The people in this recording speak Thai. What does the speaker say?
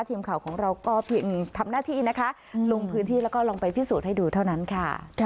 ทีมข่าวของเราก็เพียงทำหน้าที่นะคะลงพื้นที่แล้วก็ลองไปพิสูจน์ให้ดูเท่านั้นค่ะ